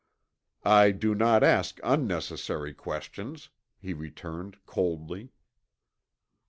"I do not ask unnecessary questions," he returned coldly.